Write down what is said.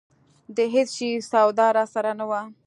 د هېڅ شي سودا راسره نه وه.